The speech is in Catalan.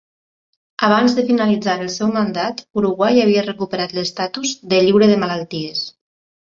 Abans de finalitzar el seu mandat, Uruguai havia recuperat l'estatus de lliure de malalties.